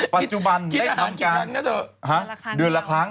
ปัจจุบันได้ทำการนะเถอะเดือนละครั้ง